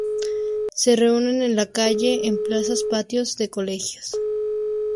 Se reúnen en la calle, en plazas, patios de colegios.